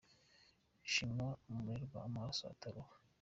Shima umurerwa amaso ataruha.